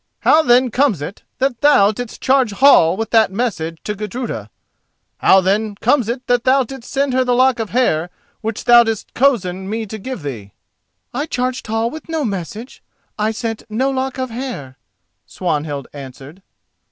"How then comes it that thou didst charge Hall with that message to Gudruda? How then comes it that thou didst send her the lock of hair which thou didst cozen me to give thee?" "I charged Hall with no message, and I sent no lock of hair," Swanhild answered.